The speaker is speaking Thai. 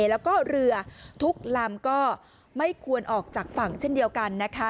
แล้วก็เรือทุกลำก็ไม่ควรออกจากฝั่งเช่นเดียวกันนะคะ